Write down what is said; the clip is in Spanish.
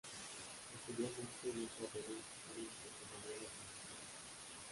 Posteriormente viajó a Perú donde desempeñaría los mismos cargos.